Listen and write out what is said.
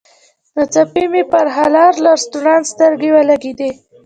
ناڅاپي مې پر حلال رسټورانټ سترګې ولګېدې.